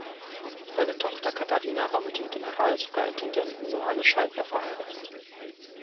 Seine Tochter Katharina war mit dem Generalsuperintendenten Johannes Scheibler verheiratet.